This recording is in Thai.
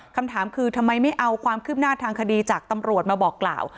คำถามคือทำไมไม่เอาความคืบหน้าทางคดีจากตำรวจมาบอกกล่าว